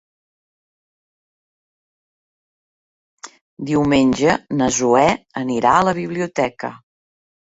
Diumenge na Zoè anirà a la biblioteca.